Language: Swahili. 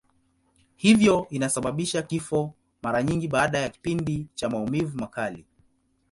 Hivyo inasababisha kifo, mara nyingi baada ya kipindi cha maumivu makali.